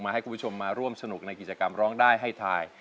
ให้คุณผู้ชมมาร่วมสนุกในกิจกรรมร้องได้ให้ทาย